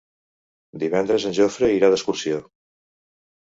Divendres en Jofre irà d'excursió.